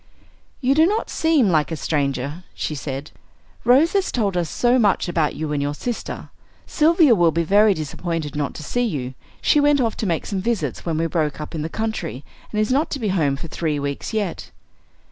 "You do not seem like a stranger," she said, "Rose has told us so much about you and your sister. Sylvia will be very disappointed not to see you. She went off to make some visits when we broke up in the country, and is not to be home for three weeks yet."